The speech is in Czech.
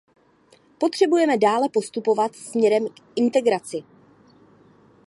Potřebujeme dále postupovat směrem k integraci.